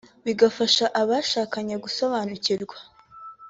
bigafasha abashakanye gusobanukirwana